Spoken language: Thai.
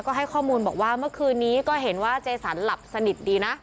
ก็ให้ข้อมูลบอกว่าเมื่อคืนนี้ก็เห็นว่าเจสันหลับสนิทดีนะ